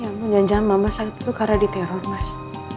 ya ampun jangan jangan mama sakit tuh karena diteror mas